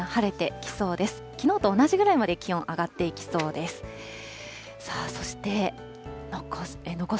きのうと同じぐらいまで気温、上がっていきそうです。